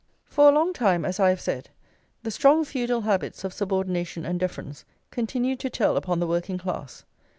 For a long time, as I have said, the strong feudal habits of subordination and deference continued to tell upon the working class.